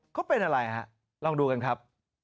เขาเป็นอะไรฮะลองดูกันครับ